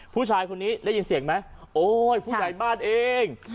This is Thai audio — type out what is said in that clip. ผู้ชายคนนี้ได้ยินเสียงไหมโอ๊ยผู้ใหญ่บ้านเอง